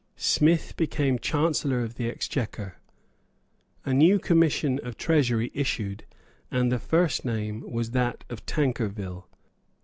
Smith became Chancellor of the Exchequer. A new commission of Treasury issued; and the first name was that of Tankerville.